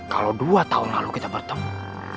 kalau dua tahun lalu kita bertemu